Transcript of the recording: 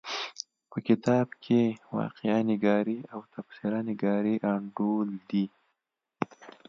په کتاب کې واقعه نګاري او تبصره نګاري انډول دي.